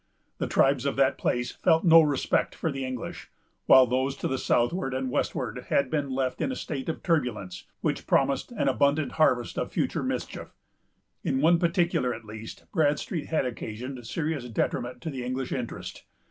The tribes of that place felt no respect for the English; while those to the southward and westward had been left in a state of turbulence, which promised an abundant harvest of future mischief. In one particular, at least, Bradstreet had occasioned serious detriment to the English interest.